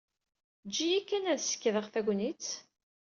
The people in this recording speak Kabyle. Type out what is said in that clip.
Eǧǧ-iyi kan ad skeydeɣ tagnit.